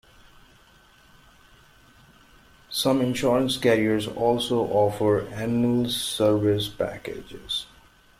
Some insurance carriers also offer annual service packages.